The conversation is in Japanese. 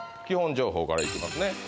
基本情報からいきますね